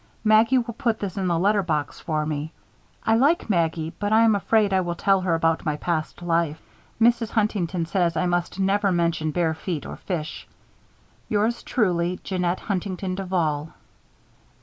Maggie will put this in the letter box for me. I like Maggie but I am afraid I will tell her about my past life. Mrs. Huntington says I must never mention bare feet or fish. Yours truly, JEANNETTE HUNTINGTON DUVAL.